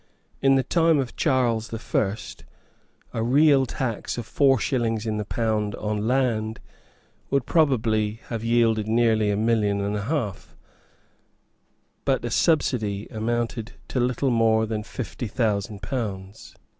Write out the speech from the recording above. In the time of Charles the First a real tax of four shillings in the pound on land would probably have yielded near a million and a half; but a subsidy amounted to little more than fifty thousand pounds.